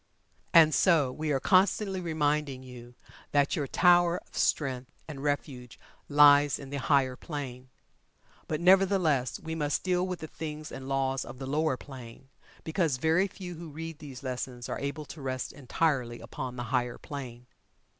And so we are constantly reminding you that your tower of strength and refuge lies on the higher plane. But, nevertheless, we must deal with the things and laws of the lower plane, because very few who read these lessons are able to rest entirely upon the higher plane.